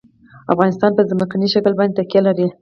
افغانستان په ځمکنی شکل باندې تکیه لري.